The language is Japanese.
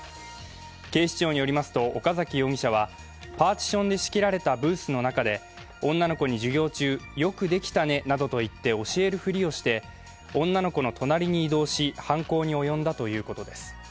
警視庁によりますと岡崎容疑者はパーティションで仕切られたブースの中で女の子に授業中、よくできたねなどと言って教えるふりをして女の子の隣に移動し犯行に及んだということです。